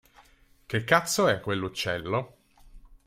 Che cazzo è quell’uccello?